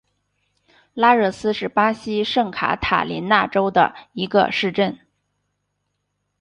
拉热斯是巴西圣卡塔琳娜州的一个市镇。